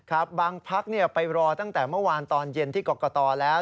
ครับบางพักไปรอตั้งแต่เมื่อวานตอนเย็นที่กรกตแล้ว